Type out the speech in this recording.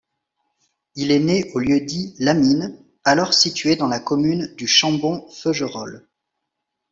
Il est né au lieu-dit la Mine, alors situé dans la commune du Chambon-Feugerolles.